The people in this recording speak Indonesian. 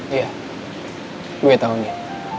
iya gue tau din